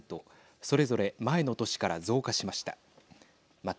それぞれ前の年から増加しました。